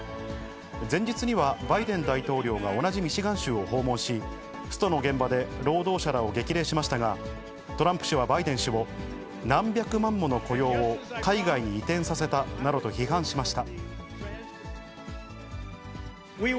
前日にはバイデン大統領が同じミシガン州を訪問し、ストの現場で労働者らを激励しましたが、トランプ氏はバイデン氏を、何百万もの雇用を海外に移転させたなどと批判しました。